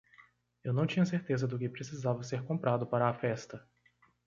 Eu não tinha certeza do que precisava ser comprado para a festa.